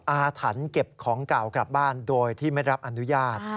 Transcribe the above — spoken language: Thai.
อาถรรพ์เก็บของเก่ากลับบ้านโดยที่ไม่รับอนุญาต